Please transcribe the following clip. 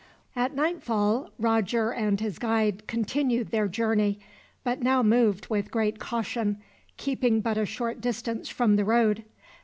At nightfall Roger and his guide continued their journey, but now moved with great caution, keeping but a short distance from the road.